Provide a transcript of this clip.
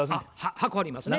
箱ありますね。